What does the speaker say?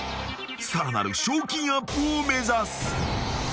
［さらなる賞金アップを目指す］